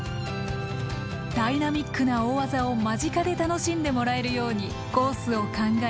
ダイナミックな大技を間近で楽しんでもらえるようにコースを考え